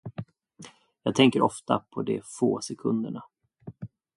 Jag tänker ofta på de få sekunderna.